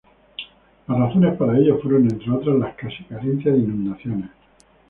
Las razones para ello fueron entre otras, la casi carencia de inundaciones.